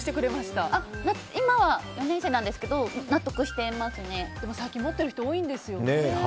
今は４年生なんですけどでも最近持ってる人多いんですよね。